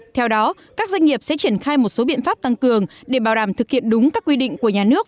theo đó các doanh nghiệp sẽ triển khai một số biện pháp tăng cường để bảo đảm thực hiện đúng các quy định của nhà nước